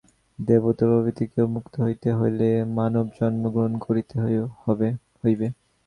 দেবতা প্রভৃতিকেও মুক্ত হইতে হইলে মানবজন্ম গ্রহণ করিতে হইবে।